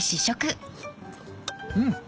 うん！